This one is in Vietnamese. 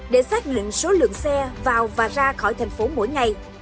để xác định số lượng xe vào và ra khỏi thành phố mỗi ngày